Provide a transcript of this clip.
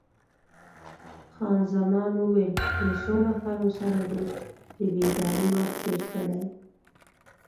خان زمان وویل: له څو نفرو سره د بېدارۍ وخت تیر کړی؟